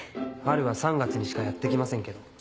春は３月にしかやって来ませんけど。